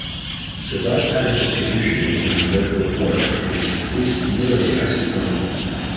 The dark matter distribution within Draco Dwarf is at least nearly isothermal.